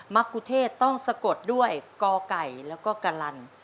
รกุเทศต้องสะกดด้วยกไก่แล้วก็กะลัน